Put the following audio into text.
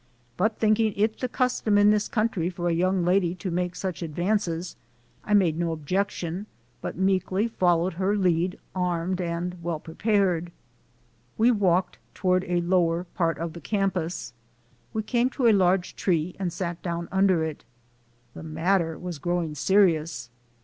But thinking it the custom in this country for a young lady to make such advances, I made no objection but meekly followed her lead "armed and well prepared." We MY AMERICAN EDUCATION 163 walked toward the lower part of the campus. We came to a large tree and sat down under it. The matter was growing serious